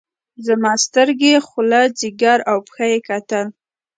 زما سترګې خوله ځيګر او پښه يې کتل.